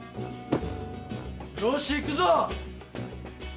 よし行くぞ！